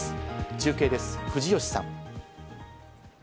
中継です、藤吉さん。